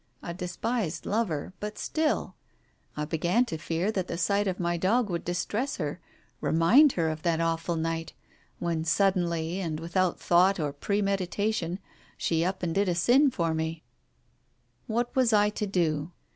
A despised lover, but still I began to fear that the sight of my dog would distress her, remind her of that awful night, when suddenly and without thought or premeditation she up and did a sin for me I What was I to do?